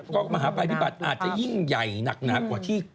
ก็มหาภัยพิบัติอาจจะยิ่งใหญ่หนักหนากว่าที่